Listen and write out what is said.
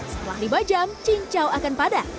setelah lima jam cincau akan padat